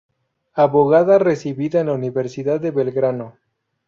Abogada recibida en la Universidad de Belgrano.